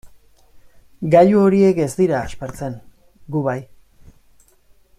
Gailu horiek ez dira aspertzen, gu bai.